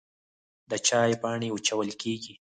د چای پاڼې وچول کیږي